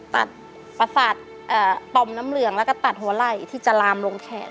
ตัดประสาทปอมน้ำเหลืองแล้วก็ตัดหัวไหล่ที่จะลามลงแขน